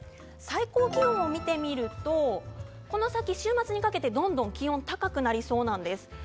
最高気温を見てみるとこの先週末にかけて、どんどん気温は高くなりそうです。